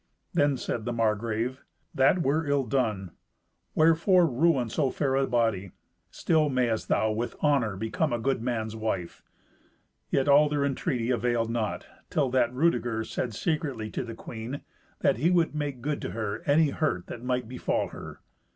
Then said the Margrave, "That were ill done. Wherefore ruin so fair a body? Still mayest thou with honour become a good man's wife." Yet all their entreaty availed not, till that Rudeger said secretly to the queen that he would make good to her any hurt that might befall her.